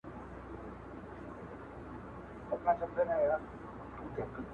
• پکښی وینو به یارانو د رڼا د بري څلی -